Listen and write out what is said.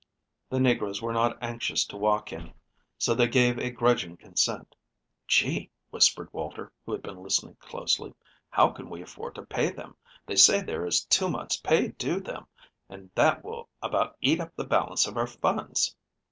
The negroes were not anxious to walk in, so they gave a grudging consent. "Gee," whispered Walter, who had been listening closely. "How can we afford to pay them? They say there is two months' pay due them, and that will about eat up the balance of our funds."